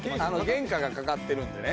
原価がかかってるんでね